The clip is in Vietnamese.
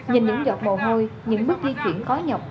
nhìn những giọt mồ hôi những bước di chuyển khó nhọc